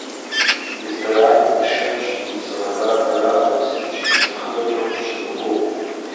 Рестораным усшэнщ, удз гъэгъа ӏэрамэ уэстынщ, нэхъыбэкӏэ укъысщымыгугъ.